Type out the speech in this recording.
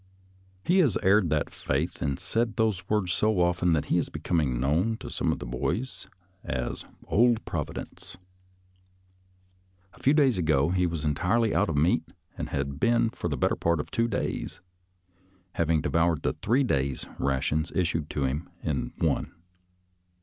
He has aired that faith and said those words so often that he is becoming known to some of the boys as " Old Providence." A few days ago he was entirely out of meat, and had been for the better part of two days, having de voured the three days' rations issued to him in one.